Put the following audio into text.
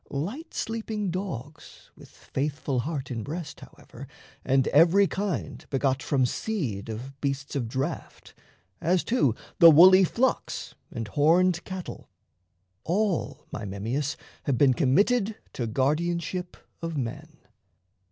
Light sleeping dogs with faithful heart in breast, However, and every kind begot from seed Of beasts of draft, as, too, the woolly flocks And horned cattle, all, my Memmius, Have been committed to guardianship of men.